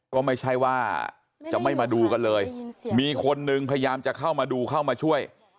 ก็ไม่ใช่ว่าจะไม่มาดูกันเลยมีคนนึงพยายามจะเข้ามาดูเข้ามาช่วย